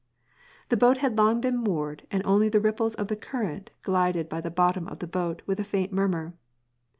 The boat had long heexx moored, and only the ripples of the current glided by the bottom of the boat with a faint murmur.